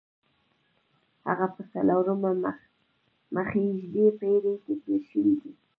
هغه په څلورمه مخزېږدي پېړۍ کې تېر شوی دی.